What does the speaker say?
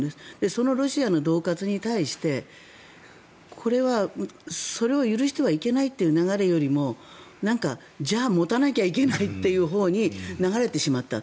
そのロシアの恫喝に対してそれを許してはいけないという流れよりもじゃあ持たなきゃいけないというほうに流れてしまった。